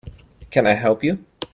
Can I help you?